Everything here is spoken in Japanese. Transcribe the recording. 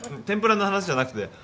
天ぷらの話じゃなくて。